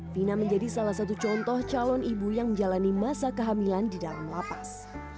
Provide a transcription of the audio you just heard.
fina menjadi salah satu contoh calon ibu yang menjalani masa kehamilan di dalam lapas